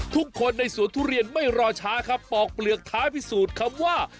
ทุกคนในสวนทุเรียนไม่รอช้าครับปอกเปลือกท้ายพิสูจน์คำว่า